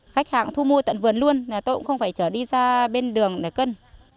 khách hàng thu mua tận vườn luôn tôi cũng không phải chở đi ra bên đường để cân